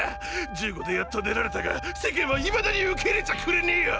１５でやっと出られたが世間はいまだに受け入れちゃくれねェよ！